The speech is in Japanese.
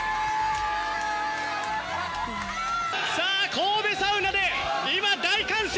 神戸サウナで今、大歓声！